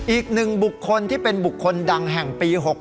อีกหนึ่งบุคคลที่เป็นบุคคลดังแห่งปี๖๕